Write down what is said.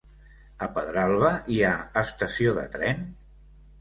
A Pedralba hi ha estació de tren?